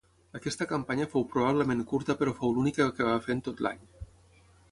Aquesta campanya fou probablement curta però fou l'única que va fer en tot l'any.